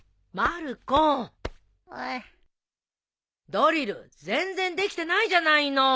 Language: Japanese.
ドリル全然できてないじゃないの！